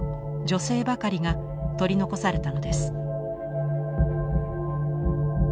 女性ばかりが取り残されたのです。